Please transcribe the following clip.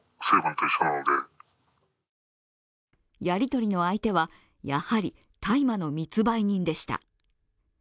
やり取りの相手は、やはり大麻の密売人でした。